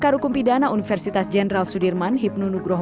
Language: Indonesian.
pakar hukum pidana universitas jenderal sudirman hipnu nugroh